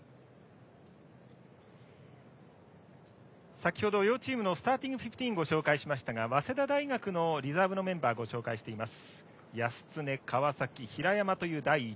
先程、両チームのスターティングフィフティーンをご紹介しましたが早稲田大学のリザーブメンバーをご紹介しています。